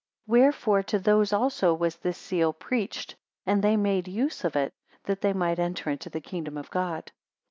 155 Wherefore to those also was this seal preached, and they made use of it, that they might enter into the kingdom of God.